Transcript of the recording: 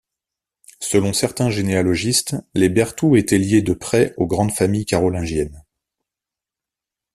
Selon certains généalogistes, les Berthout étaient liés de près aux grandes familles carolingiennes.